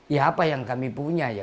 ya apa yang kami punya ya